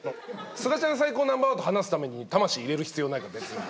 すがちゃん最高Ｎｏ．１と話すために魂入れる必要ないから別に。